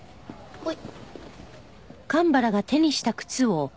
はい。